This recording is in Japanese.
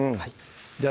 じゃあ